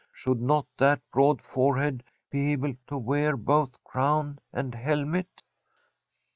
Should not that broad forehead be able to wear both crown and helmet